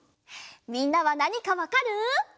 みんなはなにかわかる？